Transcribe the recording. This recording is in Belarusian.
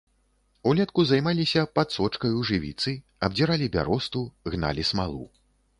Улетку займаліся падсочкаю жывіцы, абдзіралі бяросту, гналі смалу.